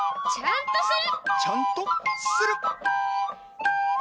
「ちゃんとする」